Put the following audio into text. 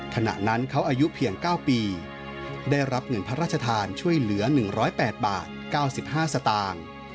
ขณะนั้นเขาอายุเพียง๙ปีได้รับเงินพระราชทานช่วยเหลือ๑๐๘บาท๙๕สตางค์